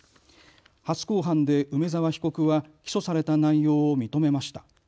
初公判で梅澤被告は起訴された内容を認めました。